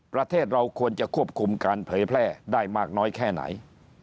ประเทศเราควรจะควบคุมการเผยแพร่ได้มากน้อยแค่ไหน